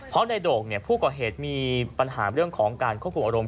เพราะในโด่งผู้ก่อเหตุมีปัญหาเรื่องของการควบคุมอารมณ์